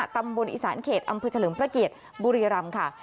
ตำบลอีสานเขตอำเภอเฉลิมพระเกียรติบุรีรำค่ะ